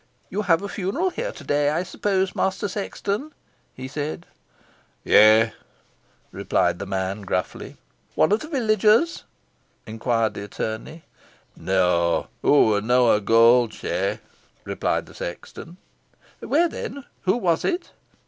"You have a funeral here to day, I suppose, Master Sexton?" he said. "Yeigh," replied the man, gruffly. "One of the villagers?" inquired the attorney. "Neaw; hoo were na o' Goldshey," replied the sexton. "Where then who was it?"